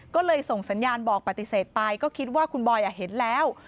ก็เลยส่งสัญญาณบอกปฏิเสธไปก็คิดว่าคุณบอยเห็นแล้ว